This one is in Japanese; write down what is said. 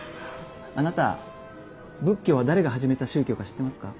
あなた仏教は誰が始めた宗教か知ってますか？